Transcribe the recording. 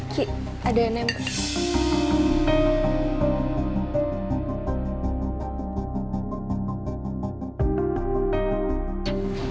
ki ada yang nempel